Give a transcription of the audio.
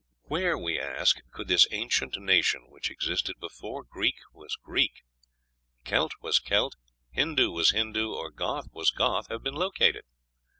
Where, we ask, could this ancient nation, which existed before Greek was Greek, Celt was Celt, Hindoo was Hindoo, or Goth was Goth, have been located!